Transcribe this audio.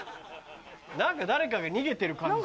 何か誰かが逃げてる感じ。